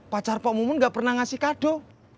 pacar pok mumun enggak pernah ngasih kado